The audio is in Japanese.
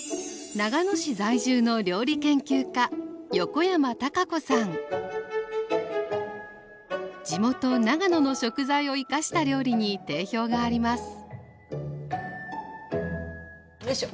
長野市在住の地元長野の食材を生かした料理に定評がありますよいしょ！